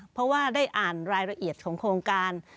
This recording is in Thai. เพราะว่าได้อ่านรายละเอียดของโครงการ